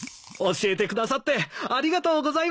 教えてくださってありがとうございます。